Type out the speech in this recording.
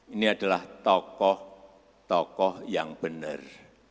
ini adalah tokoh tokoh yang benar